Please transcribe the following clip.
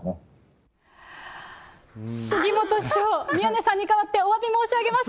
杉本師匠、宮根さんに代わって、おわび申し上げます。